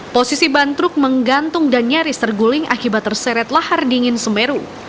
posisi ban truk menggantung dan nyaris terguling akibat terseret lahar dingin semeru